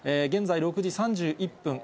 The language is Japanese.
現在、６時３１分。